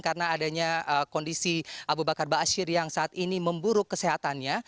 karena adanya kondisi abu bakar ba'asyir yang saat ini memburuk kesehatannya